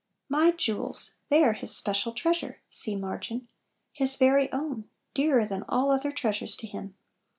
" My jewels !" They are His " special treasure " (see margin), His very own, dearer than all other treasures to Him.